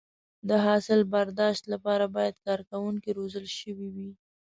د حاصل برداشت لپاره باید کارکوونکي روزل شوي وي.